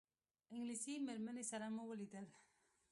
انګلیسي مېرمنې سره مو ولیدل.